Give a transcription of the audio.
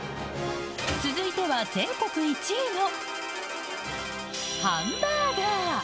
続いては全国１位のハンバーガー。